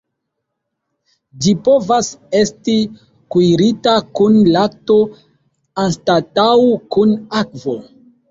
Ĝi povas esti kuirita kun lakto anstataŭ kun akvo.